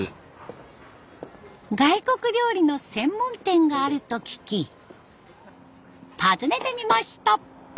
外国料理の専門店があると聞き訪ねてみました。